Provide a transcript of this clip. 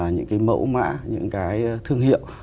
những cái mẫu mã những cái thương hiệu